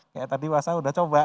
kayak tadi puasa udah coba